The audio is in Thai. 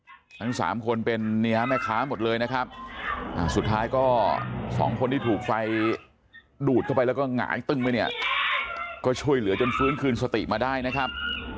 ทั้งสามคนเป็นเนี่ยแม่ค้าหมดเลยนะครับสุดท้ายก็สองคนที่ถูกไฟดูดเข้าไปแล้วก็หงายตึงไปเนี่ยก็ช่วยเหลือจนฟื้นคืนสติมาได้นะครับ